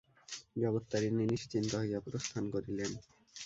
জগত্তারিণী নিশ্চিন্ত হইয়া প্রস্থান করিলেন।